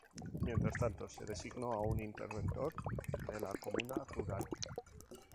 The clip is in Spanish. Mientras tanto se designó a un interventor de la Comuna Rural.